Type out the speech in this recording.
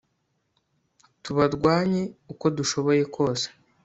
tubarwanye uko dushoboye kose